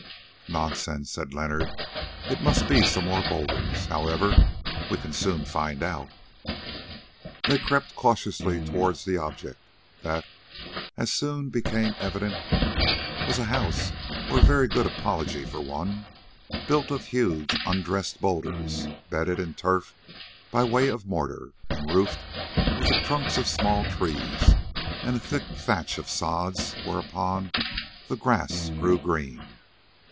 "Nonsense," said Leonard, "it must be some more boulders. However, we can soon find out." They crept cautiously towards the object, that, as soon became evident, was a house or a very good apology for one, built of huge undressed boulders, bedded in turf by way of mortar, and roofed with the trunks of small trees and a thick thatch of sods whereon the grass grew green.